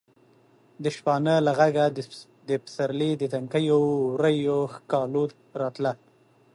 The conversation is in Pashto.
د شپانه له غږه د پسرلي د تنکیو ورویو ښکالو راتله.